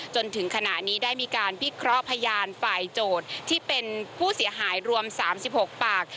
จนถึงขณะนี้ได้มีการพิเคราะห์พยานฝ่ายโจทย์ที่เป็นผู้เสียหายรวม๓๖ปาก